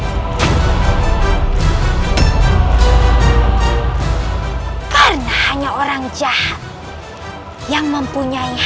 hai karena hanya orang jahat yang mempunyai hati owner